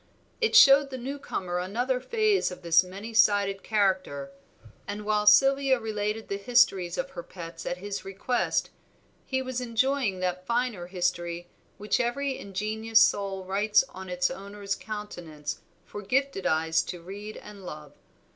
It showed the newcomer another phase of this many sided character; and while Sylvia related the histories of her pets at his request, he was enjoying that finer history which every ingenuous soul writes on its owner's countenance for gifted eyes to read and love.